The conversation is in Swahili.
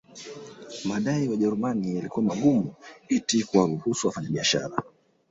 Madai ya Wajerumani yalikuwa magumu eti kuwaruhusu wafanyabiashara